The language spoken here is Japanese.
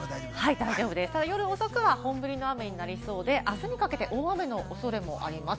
夜遅くは本降りの雨になりそうで、あすにかけて大雨の恐れもあります。